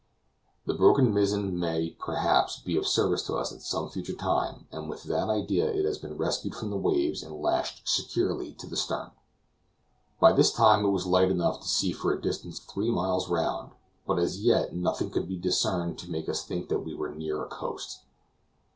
The broken mizzen may, perhaps, be of service to us at some future time, and with that idea it has been rescued from the waves and lashed securely to the stern. By this time it was light enough to see for a distance of three miles round; but as yet nothing could be discerned to make us think that we were near a coast.